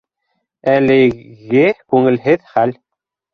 Әлеге күңелһеҙ хәл